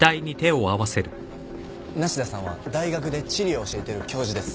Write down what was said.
梨多さんは大学で地理を教えてる教授です。